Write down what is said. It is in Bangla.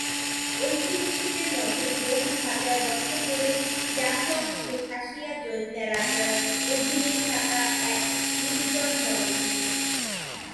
ঐতিহাসিকদের মতে বহু হাজার বছর ধরে জাফলং ছিল খাসিয়া জৈন্তা-রাজার অধীনে থাকা এক নির্জন বনভূমি।